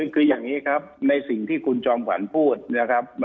คืออย่างนี้ครับในสิ่งที่คุณจอมขวัญพูดนะครับ